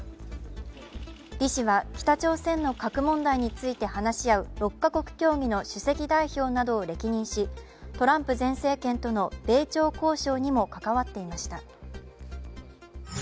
リ氏は北朝鮮の核問題などを話し合う６か国協議の首席代表などを歴任しトランプ前政権との米朝交渉にも関わっていました。